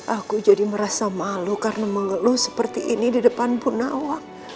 aku jadi merasa malu karena mengeluh seperti ini di depan punawa